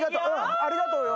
ありがとうよ。